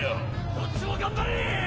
どっちも頑張れ！